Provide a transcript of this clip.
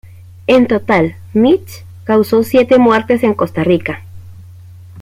En total Mitch causó siete muertes en Costa Rica.